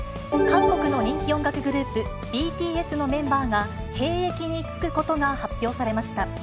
韓国の人気音楽グループ、ＢＴＳのメンバーが兵役に就くことが発表されました。